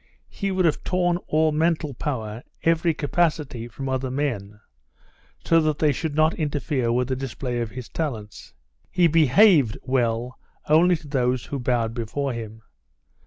He would have torn all mental power, every capacity, from other men, so that they should not interfere with the display of his talents. He behaved well only to those who bowed before him.